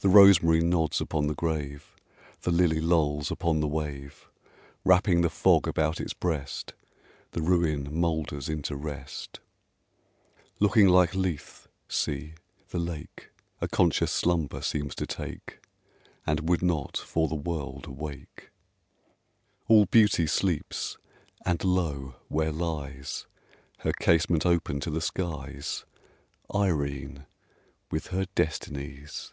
The rosemary nods upon the grave; The lily lolls upon the wave; Wrapping the fog about its breast, The ruin moulders into rest; Looking like Lethe, see! the lake A conscious slumber seems to take, And would not, for the world, awake. All Beauty sleeps! and lo! where lies (Her casement open to the skies) Irene, with her Destinies!